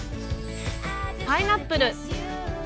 パイナップル。